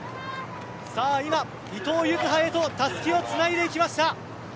今、伊藤柚葉へとたすきをつないでいきました。